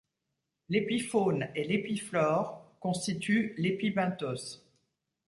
L'épifaune et l'épiflore constituent l'épibenthos.